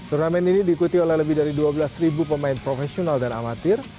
turnamen ini diikuti oleh lebih dari dua belas pemain profesional dan amatir